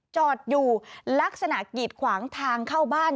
จอดอยู่ลักษณะกีดขวางทางเข้าบ้าน